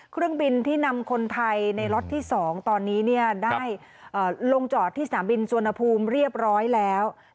เครื่องบินที่นำคนไทยในล็อตที่๒ตอนนี้ได้ลงจอดที่สนามบินสุวรรณภูมิเรียบร้อยแล้ว